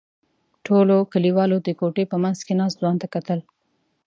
ټولو کلیوالو د کوټې په منځ کې ناست ځوان ته کتل.